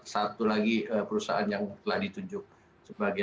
satu lagi perusahaan yang telah ditunjuk sebagai